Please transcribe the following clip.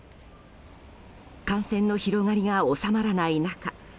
感染の広がりが収まらない中